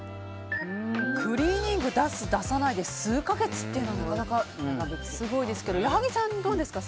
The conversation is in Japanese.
クリーニングを出す出さないで数か月っていうのはなかなかすごいですけど矢作さん、どうですか？